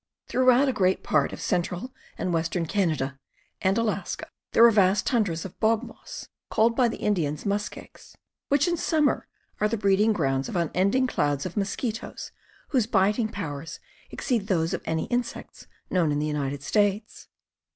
Throughout a great part of central and western Canada, and Alaska, there are vast tundras of bog moss, called by the Indians muskegs, which in summer are the breeding grounds of unending clouds of mos quitoes whose biting powers exceed those of any insects known in the United States.